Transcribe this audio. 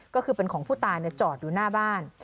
ก็คือเป็นของผู้ตายจอดอยู่หน้าบ้าน